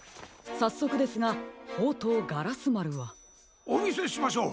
さっそくですがほうとうガラスまるは？おみせしましょう。